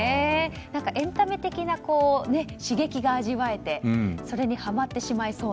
エンタメ的な刺激が味わえてそれにはまってしまいそうな。